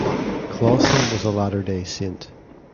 Clawson was a Latter-day Saint.